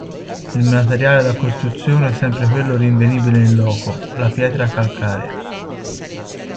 Il materiale da costruzione è sempre quello rinvenibile in loco: la pietra calcarea.